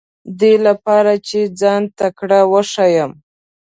دې لپاره چې ځان تکړه وښیم.